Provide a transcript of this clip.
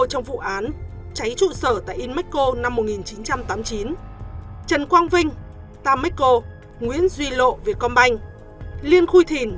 trong vụ án cháy trụ sở tại inmexco năm một nghìn chín trăm tám mươi chín trần quang vinh nguyễn duy lộ liên khuỳ thìn